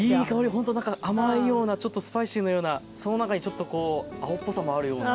本当何か甘いようなちょっとスパイシーのようなその中にちょっと青っぽさもあるような。